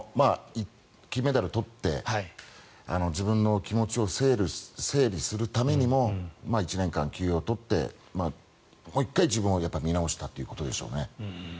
金メダル取って自分の気持ちを整理するためにも１年間、休養を取ってもう１回自分を見直したということでしょうね。